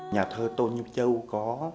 nhà thơ tôn nhâm châu có